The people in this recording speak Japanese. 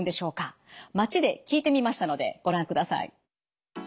街で聞いてみましたのでご覧ください。